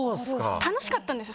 楽しかったんですよ？